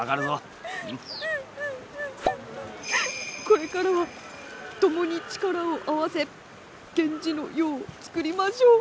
これからはともに力を合わせ源氏の世をつくりましょう。